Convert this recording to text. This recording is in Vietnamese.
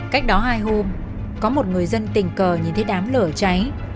cách đó hai hôm có một người dân tình cờ nhìn thấy đám lửa cháy